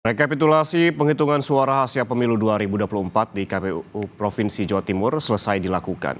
rekapitulasi penghitungan suara hasil pemilu dua ribu dua puluh empat di kpu provinsi jawa timur selesai dilakukan